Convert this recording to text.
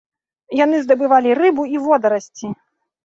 Яны здабывалі рыбу і водарасці.